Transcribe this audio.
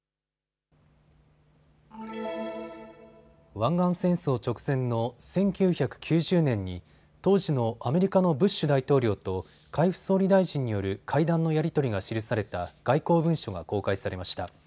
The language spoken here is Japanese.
湾岸戦争直前の１９９０年に当時のアメリカのブッシュ大統領と海部総理大臣による会談のやり取りが記された外交文書が公開されました。